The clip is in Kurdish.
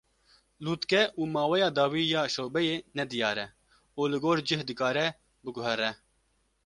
Lûtke û maweya dawî ya şewbeyê nediyar e û li gor cih dikare biguhere.